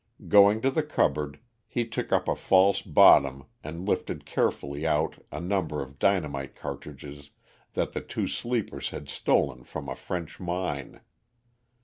Going to the cupboard, he took up a false bottom and lifted carefully out a number of dynamite cartridges that the two sleepers had stolen from a French mine.